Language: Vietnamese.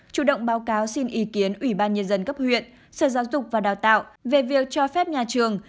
chủ động báo cáo xin ý kiến ủy ban nhân dân cấp huyện sở giáo dục và đào tạo về việc cho phép nhà trường